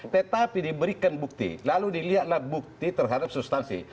tetapi diberikan bukti lalu dilihatlah bukti terhadap substansi